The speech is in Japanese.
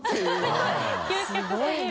田村）究極過ぎる。